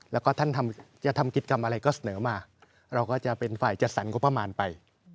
แล้วก็ท่านจะทำกิจกรรมอะไรก็เสนอมาเราก็จะเป็นฝ่ายจัดสรรงบประมาณไป